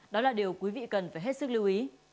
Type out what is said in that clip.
đó là điều quý vị cần phải hết sức lưu ý